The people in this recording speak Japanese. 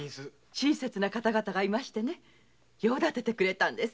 親切な方々がいましてね用立ててくれたんです。